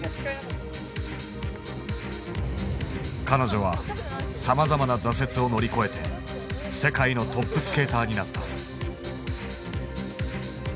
彼女はさまざまな挫折を乗り越えて世界のトップスケーターになった。